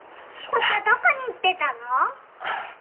パパどこに行ってたの？